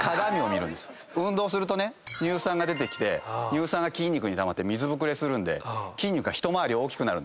運動すると乳酸が出てきて乳酸が筋肉にたまって水膨れするんで筋肉が一回り大きくなる。